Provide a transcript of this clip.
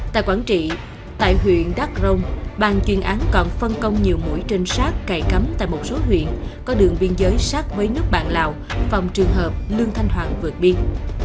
tại quảng trị tại huyện đắk rông bàn chuyên án còn phân công nhiều mũi trinh sát cày cắm tại một số huyện có đường biên giới sát với nước bạn lào phòng trường hợp lương thanh hoàng vượt biên